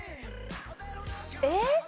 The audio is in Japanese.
えっ？